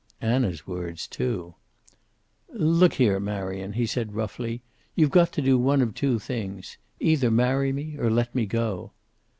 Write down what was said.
Anna's words, too! "Look here, Marion," he said, roughly, "you've got to do one of two things. Either marry me or let me go."